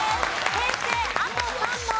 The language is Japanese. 平成あと３問。